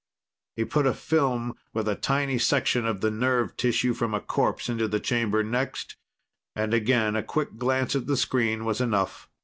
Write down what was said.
He put a film with a tiny section of the nerve tissue from a corpse into the chamber next, and again a quick glance at the screen was enough.